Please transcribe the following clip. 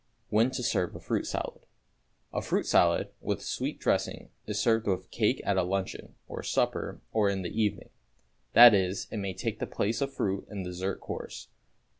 =When to Serve a Fruit Salad.= A fruit salad, with sweet dressing, is served with cake at a luncheon, or supper, or in the evening; that is, it may take the place of fruit in the dessert course.